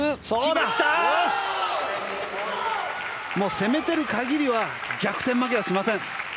攻めてる限りは逆転負けはしません。